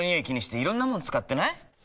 気にしていろんなもの使ってない？